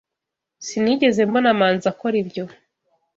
Sinigeze mbona Manzi akora ibyo.